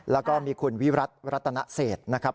แล้วก็มีคุณวิรัติรัตนเศษนะครับ